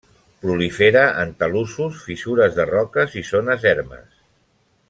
Prolifera en talussos, fissures de roques i zones ermes.